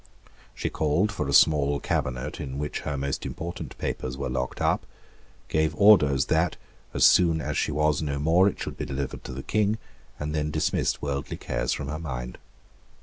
She called for a small cabinet in which her most important papers were locked up, gave orders that, as soon as she was no more, it should be delivered to the King, and then dismissed worldly cares from her mind.